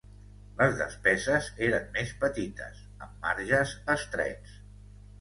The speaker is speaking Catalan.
Les despeses eren més petites, amb marges estrets.